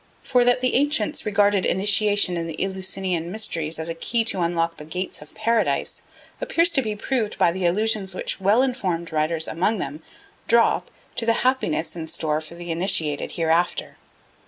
For that the ancients regarded initiation in the Eleusinian mysteries as a key to unlock the gates of Paradise appears to be proved by the allusions which well informed writers among them drop to the happiness in store for the initiated hereafter.